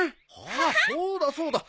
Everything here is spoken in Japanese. ああそうだそうだ。